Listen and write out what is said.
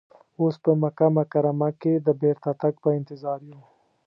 اوس په مکه مکرمه کې د بیرته تګ په انتظار یو.